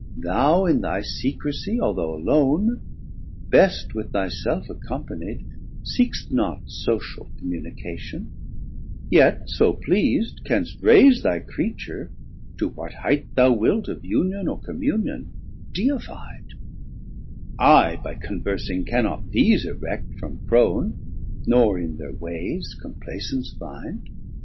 Thou in thy secresie although alone, Best with thy self accompanied, seek'st not Social communication, yet so pleas'd, Canst raise thy Creature to what highth thou wilt 430 Of Union or Communion, deifi'd; I by conversing cannot these erect From prone, nor in thir wayes complacence find.